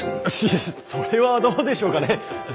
いやそそれはどうでしょうかね。